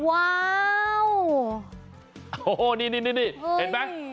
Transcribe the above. ว้าวโอ้โหนี่เห็นไหม